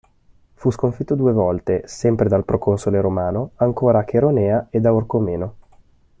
Fu sconfitto due volte, sempre dal proconsole romano, ancora a Cheronea ed a Orcomeno.